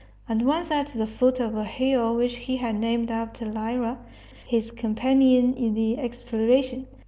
and once at the foot of a hill which he had named after Lyra, his companion in the exploration.